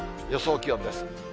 予想気温です。